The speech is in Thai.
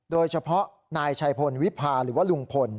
โดยเฉพาะนายชัยพลวิพาหรือว่าลุงพล